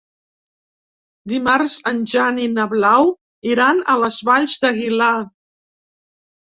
Dimarts en Jan i na Blau iran a les Valls d'Aguilar.